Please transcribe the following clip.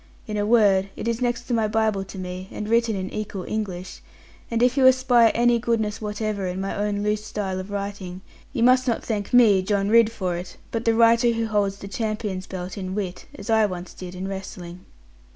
In a word, it is next to my Bible to me, and written in equal English; and if you espy any goodness whatever in my own loose style of writing, you must not thank me, John Ridd, for it, but the writer who holds the champion's belt in wit, as I once did in wrestling.